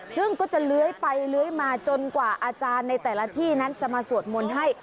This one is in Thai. ซึ่งก็จะเลื้อยไปเลื้อยมาจนกว่าอาจารย์ในแต่ละที่นั้นจะมาสวดมนต์ให้